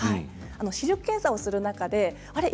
視力検査をする中であれ？